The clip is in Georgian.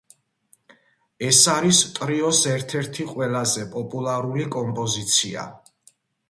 ეს არის ტრიოს ერთ-ერთი ყველაზე პოპულარული კომპოზიცია.